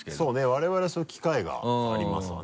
我々そういう機会がありますわね